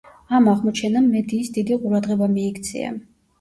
ამ აღმოჩენამ მედიის დიდი ყურადღება მიიქცია.